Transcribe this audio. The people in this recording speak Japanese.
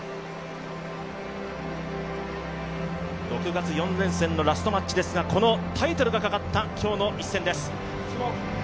６月４連戦のラストマッチですがこのタイトルがかかった今日の一戦です。